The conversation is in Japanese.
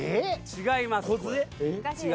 違います。